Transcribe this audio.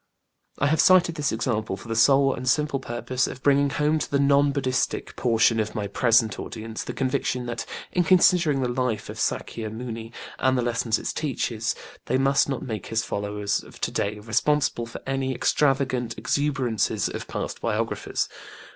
I have cited this example for the sole and simple purpose of bringing home to the non BudĖĢdĖĢhistic portion of my present audience the conviction that, in considering the life of SÄkya Muni and the lessons it teaches, they must not make his followers of to day responsible for any extravagant exuberances of past biographers.